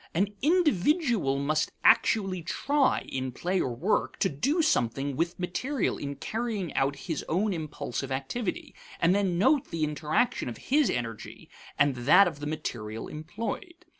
An individual must actually try, in play or work, to do something with material in carrying out his own impulsive activity, and then note the interaction of his energy and that of the material employed.